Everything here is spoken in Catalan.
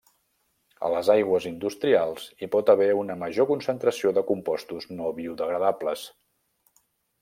A les aigües industrials hi pot haver una major concentració de compostos no biodegradables.